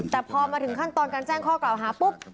แต่พอมาถึงขั้นตอนการแจ้งข้อกล่าวหาปุ๊บ